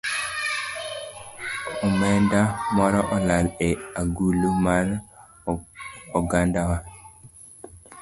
Omenda moro olal e agulu mar ogandawa